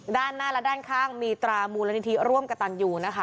ด้านหน้าและด้านข้างมีตรามูลนิธิร่วมกับตันยูนะคะ